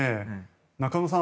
中野さん